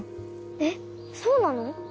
えっそうなの？